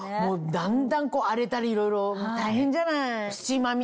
だんだん荒れたりいろいろ大変じゃない。